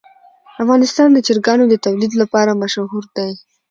افغانستان د چرګانو د تولید لپاره مشهور دی.